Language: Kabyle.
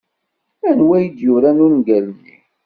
Anwa ay d-yuran ungal-nni?